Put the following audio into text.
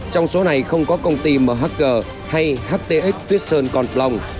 trong số này không có công ty mhg hay htx tuyết sơn còn phlong